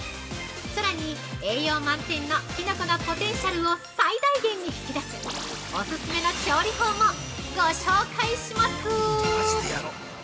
さらに、栄養満点のきのこのポテンシャルを最大限に引き出すオススメの調理法もご紹介します。